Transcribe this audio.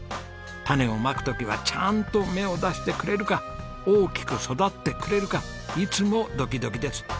種をまく時はちゃんと芽を出してくれるか大きく育ってくれるかいつもドキドキです。